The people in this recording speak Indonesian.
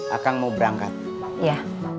akan mau berangkat ya